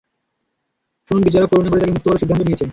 শুনুন, বিচারক করুণা করে তাকে মুক্ত করার সিদ্ধান্ত নিয়েছে।